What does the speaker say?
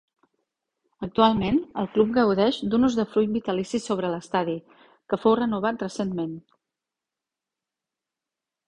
Actualment el club gaudeix d'un usdefruit vitalici sobre l'Estadi, que fou renovat recentment.